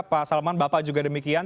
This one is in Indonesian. pak salman bapak juga demikian